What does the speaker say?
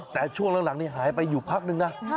แต่ช่วงหลังนี้หายไปอยู่พักนึงนะ